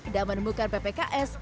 dan menemukan ppks